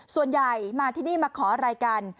ส่วนใหญ่มาที่นี่มาขออะไรกัน